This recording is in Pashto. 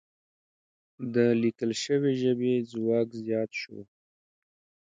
د لیکل شوې ژبې ځواک زیات شو.